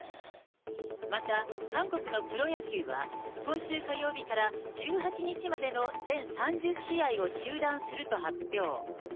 また、韓国のプロ野球は、今週火曜日から１８日までの全３０試合を中断すると発表。